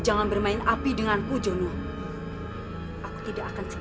jangan berdeng nobody